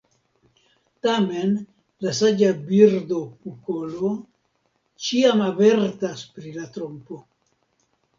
Tamen la saĝa birdo kukolo ĉiam avertas pri la trompo.